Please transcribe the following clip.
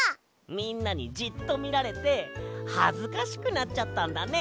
みんなにじっとみられてはずかしくなっちゃったんだね。